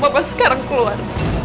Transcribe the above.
mama sekarang keluar